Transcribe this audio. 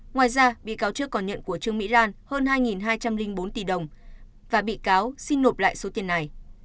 ngoài ra bị cáo trước còn nhận của trương mỹ lan hơn hai hai trăm linh bốn tỷ đồng và bị cáo xin nộp lại số tiền này